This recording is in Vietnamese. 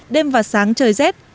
đêm và sáng trời rét